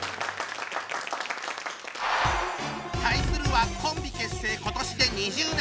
対するはコンビ結成今年で２０年。